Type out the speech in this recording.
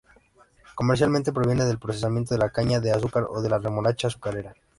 Comercialmente proviene del procesamiento de la caña de azúcar o de la remolacha azucarera.